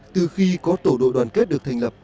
từ khi có tổ đội đoàn kết được thành lập